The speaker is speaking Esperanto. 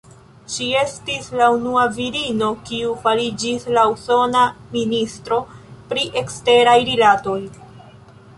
Ŝi estis la unua virino, kiu fariĝis la usona Ministro pri Eksteraj Rilatoj.